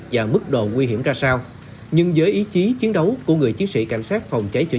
và mức độ nguy hiểm ra sao nhưng với ý chí chiến đấu của người chiến sĩ cảnh sát phòng cháy chữa